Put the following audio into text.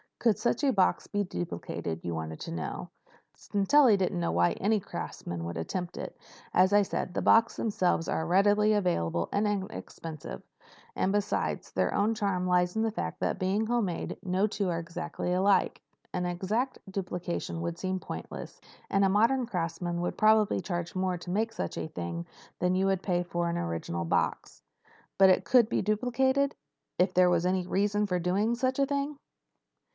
"Could such a box be duplicated, you wanted to know. Sintelli doesn't know why any craftsman would attempt it. As I said, the boxes themselves are readily available and inexpensive. And, besides, their only charm lies in the fact that, being handmade, no two were exactly alike. An exact duplication would seem pointless. And a modern craftsman would probably charge more to make such a thing than you would pay for an original box." "But it could be duplicated—if there was any reason for doing such a thing?"